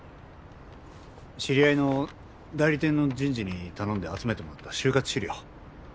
知り合いの代理店の人事に頼んで集めてもらった就活資料。